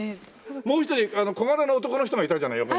もう一人小柄な男の人がいたじゃない横に。